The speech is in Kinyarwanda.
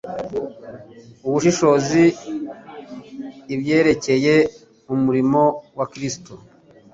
ubushishozi ibyerekeye umurimo wa Kristo